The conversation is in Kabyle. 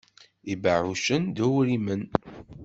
Ibeɛɛucen d uwrimen.